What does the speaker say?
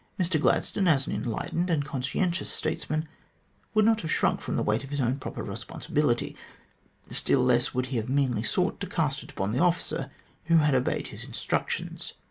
Mr Gladstone, as an enlightened and conscientious statesman, would not have shrunk from the weight of his own proper responsibility; still less would he have meanly sought to cast it upon the officer who had obeyed his instructions.